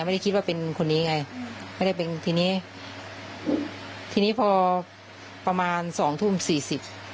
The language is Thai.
ไม่ได้คิดว่าเป็นคนนี้ไงไม่ได้เป็นทีนี้ทีนี้พอประมาณสองทุ่มสี่สิบ